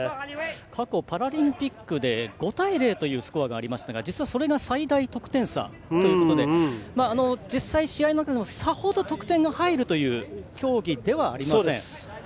過去パラリンピックで５対０というスコアがありましたがそれが最大得点差ということで実際、試合の中でもさほど得点が入るという競技ではありません。